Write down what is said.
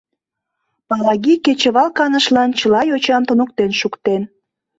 Палаги кечывал канышлан чыла йочам туныктен шуктен.